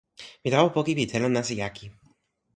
mi tawa poki pi telo nasa jaki.